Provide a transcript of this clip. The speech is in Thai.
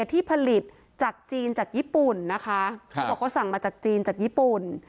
ที่ผลิตจากจีนจากญี่ปุ่นนะคะเขาบอกเขาสั่งมาจากจีนจากญี่ปุ่น